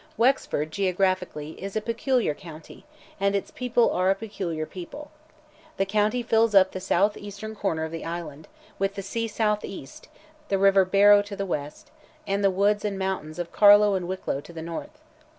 Wexford, geographically, is a peculiar county, and its people are a peculiar people. The county fills up the south eastern corner of the island, with the sea south east, the river Barrow to the west, and the woods and mountains of Carlow and Wicklow to the north.